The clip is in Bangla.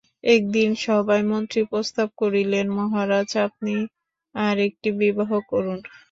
এক দিন সভায় মন্ত্রী প্রস্তাব করিলেন, মহারাজ, আপনি আর-একটি বিবাহ করুন।